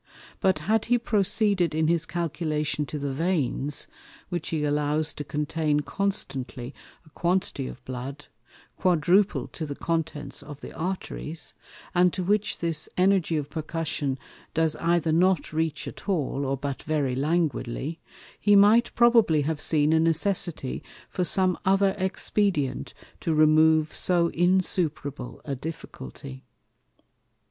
But, had he proceeded in his Calculation to the Veins, which he allows to contain constantly a quantity of Blood, quadruple to the Contents of the Arteries, and to which this Energy of Percussion does either not reach at all, or but very languidly, he might probably have seen a necessity for some other Expedient to remove so insuperable a Difficulty.